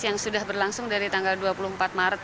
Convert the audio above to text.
yang sudah berlangsung dari tanggal dua puluh empat maret